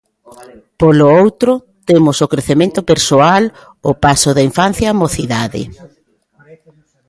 Polo outro, temos o crecemento persoal, o paso da infancia á mocidade.